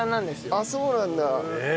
ああそうなんだね。